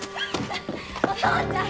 お父ちゃん！